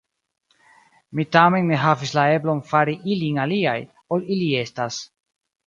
Mi tamen ne havis la eblon fari ilin aliaj, ol ili estas.